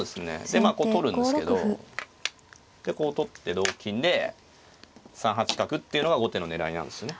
でまあこう取るんですけどこう取って同金で３八角っていうのが後手の狙いなんですよね。